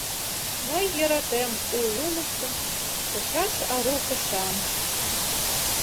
Мый йӧратем у лумышто Почаш ару кышам.